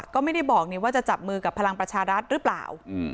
ก็ไม่ได้บอกว่าจะจับมือกับพลังประชารัฐหรือเปล่า